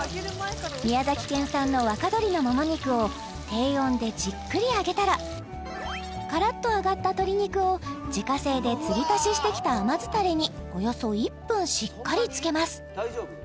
宮崎県産の若鶏のもも肉を低温でじっくり揚げたらカラッと揚がった鶏肉を自家製で継ぎ足ししてきた甘酢タレにおよそ１分しっかり漬けます